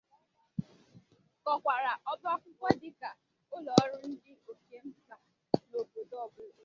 kọwàrà ọba akwụkwọ dịka ụlọọrụ dị oke mkpà n'obodo ọbụla